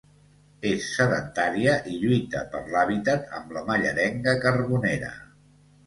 És sedentària i lluita per l'hàbitat amb la mallerenga carbonera.